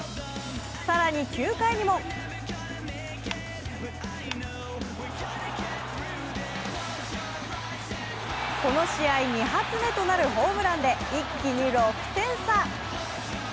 更に９回にもこの試合、２発目となるホームランで一気に６点差。